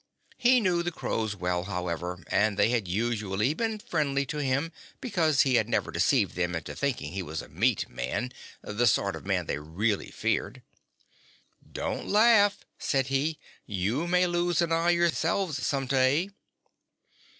He knew the crows well, however, and they had usually been friendly to him because he had never deceived them into thinking he was a meat man the sort of man they really feared. "Don't laugh," said he; "you may lose an eye yourselves some day."